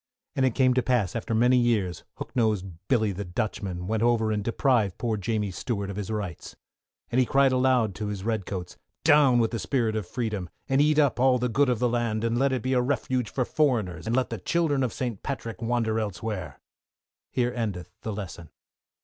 And it came to pass, after many years, Hooknosed Billy the Dutchman, went over and deprived poor Jamie Stuart of his rights. And he cried aloud to his redcoats, Down with the Spirit of Freedom! and eat up all the good of the land, and let it be a refuge for foreigners, and let the children of St. Patrick wander elsewhere. Here endeth the Lesson.